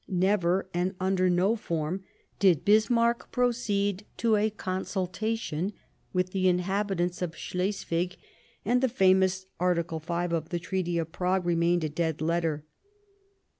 Never, and under no form did Bismarck proceed to a consultation with the inhabitants of Slesvig, and the famous Article 5 of the Treaty of Prague remained a dead letter.